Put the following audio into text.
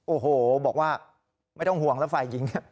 โอ้โหบอกว่าไม่ต้องห่วงแล้วฝ่ายหญิง